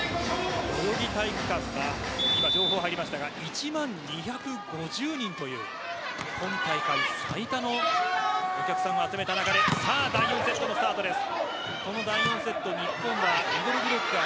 代々木体育館は情報入りましたが１万２５０人という今大会最多のお客さんを集めた中での第４セットです。